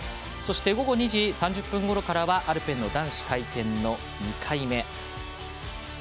そして、午後２時３０分ごろからアルペンの男子回転の２回目。